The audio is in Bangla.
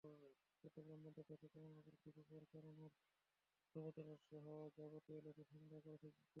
চট্টগ্রাম বন্দর থেকে কমলাপুর ডিপো পরিচালনার দরপত্রসহ যাবতীয় নথি সংগ্রহ করেছে দুদক।